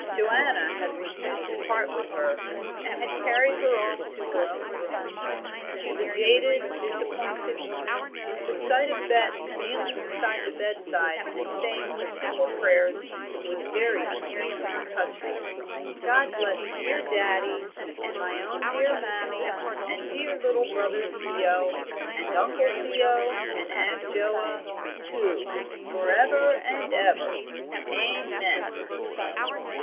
Joanna had refused to part with her, and had carried her off to her own room. To the jaded, disappointed woman, the sight of Bet kneeling by the bedside and saying her simple prayers was very sweet and touching. "God bless dear daddie, and my own dear mammie and dear little brother Theo, and Uncle Theo and Aunt Joa, too, for ever and ever. Amen."